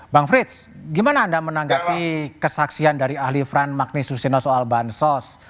bang fritz gimana anda menanggapi kesaksian dari ahli fran magnus susino soal bahan sos